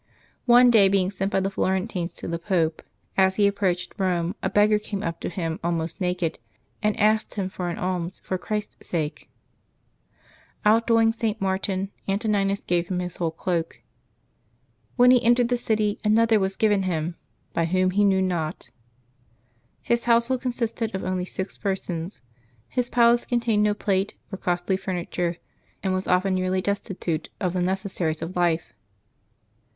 One day, being sent by the Florentines to the Pope, as he approached Rome a beggar came up to him almost naked, and asked him for an alms for Christ's sake. Outdoing St. Martin, Antoninus gave him his whole cloak. "Wlien he entered the cit}% another was given him ; by whom he knew not. His household consisted of only six persons; his palace con tained no plate or costly furniture, and was often nearly destitute of the necessaries of life.